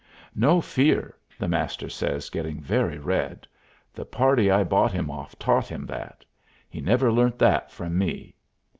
"No fear!" the Master says, getting very red. "The party I bought him off taught him that. He never learnt that from me!"